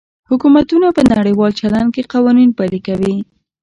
حکومتونه په نړیوال چلند کې قوانین پلي کوي